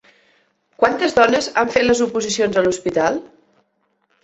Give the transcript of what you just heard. Quantes dones han fet les oposicions a l'hospital?